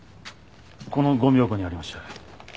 このゴミ箱にありました。